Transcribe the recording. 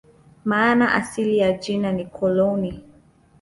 Maana asili ya jina ni "koloni".